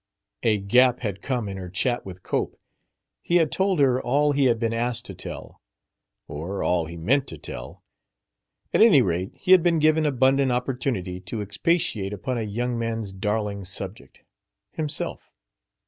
A gap had come in her chat with Cope. He had told her all he had been asked to tell or all he meant to tell: at any rate he had been given abundant opportunity to expatiate upon a young man's darling subject himself.